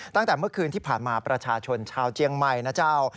ตั้งแต่เมื่อคืนที่ผ่านมาประชาชนชาวเจียงใหม่นะเจ้า